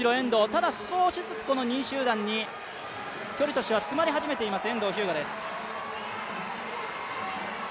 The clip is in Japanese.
ただ少しずつ２位集団に距離としては詰まり始めています。